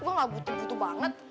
gue gak butuh butuh banget